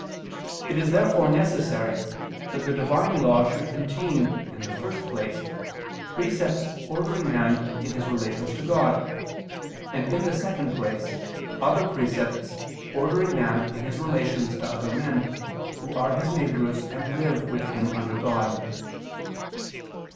It is therefore necessary that the Divine law should contain in the first place precepts ordering man in his relations to God; and in the second place, other precepts ordering man in his relations to other men who are his neighbors and live with him under God.